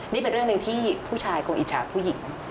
นี่เป็นเรื่องหนึ่งที่ผู้ชายคงอิจฉาผู้หญิง